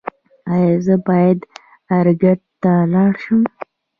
ایا زه باید ارګ ته لاړ شم؟